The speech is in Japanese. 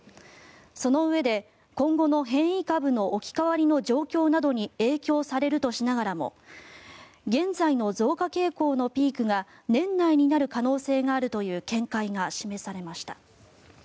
そのうえで、今後の変異株の置き換わりの状況などに影響されるとしながらも現在の増加傾向のピークが年内になる可能性があるという見解が示されました。